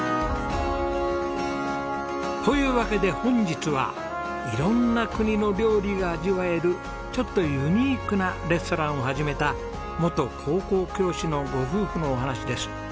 というわけで本日は色んな国の料理が味わえるちょっとユニークなレストランを始めた元高校教師のご夫婦のお話です。